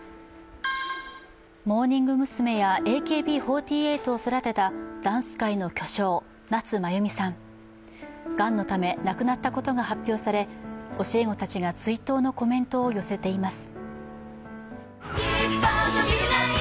モーニング娘や、ＡＫＢ４８を育てたダンス界の巨匠、夏まゆみさん、がんのため、亡くなったことが発表され、教え子たちが、追悼のコメントを寄せています。